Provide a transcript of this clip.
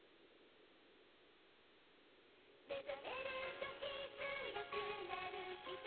「目醒めるとき強くなる瞳に」